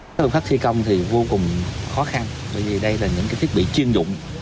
các hợp pháp thi công thì vô cùng khó khăn bởi vì đây là những thiết bị chuyên dụng